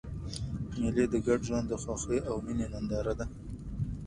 مېلې د ګډ ژوند د خوښۍ او میني ننداره ده.